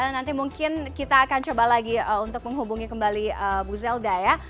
nanti mungkin kita akan coba lagi untuk menghubungi kembali bu zelda ya